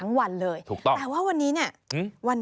นี่ท่านี้เลยท่านี้เลย